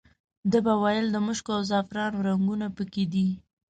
ده به ویل د مشکو او زعفرانو رنګونه په کې دي.